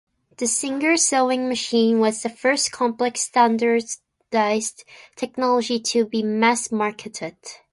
The Singer sewing machine was the first complex standardized technology to be mass marketed.